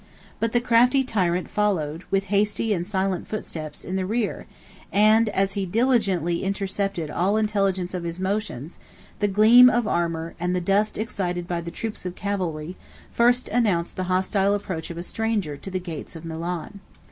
But the crafty tyrant followed, with hasty and silent footsteps, in the rear; and, as he diligently intercepted all intelligence of his motions, the gleam of armor, and the dust excited by the troops of cavalry, first announced the hostile approach of a stranger to the gates of Milan.